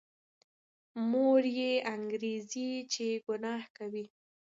مور یې انګېري چې ګناه کوي.